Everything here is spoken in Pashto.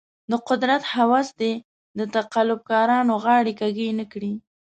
د قدرت هوس دې د تقلب کارانو غاړې کږې نه کړي.